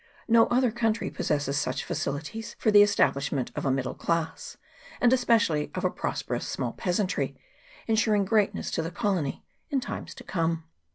No other country possesses such facilities for the esta blishment of a middle class, and especially of a prosperous small peasantry, insuring greatness to the colony in times to come.